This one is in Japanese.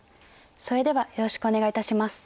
それではよろしくお願いいたします。